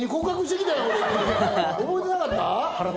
覚えてなかった？